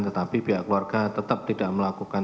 tetapi pihak keluarga tetap tidak melakukan